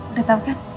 udah tau kan